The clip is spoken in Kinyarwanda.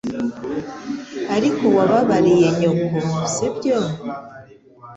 Ariko wababariye nyoko, sibyo?